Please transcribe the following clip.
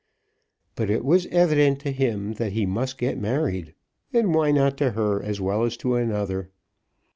But it was evident to him that he must get married, and why not to her as well as to another?